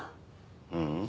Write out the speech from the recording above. ううん。